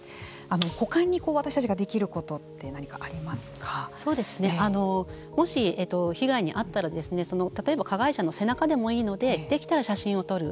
他に私たちができることってもし被害に遭ったら例えば加害者の背中でもいいのでできたら写真を撮る。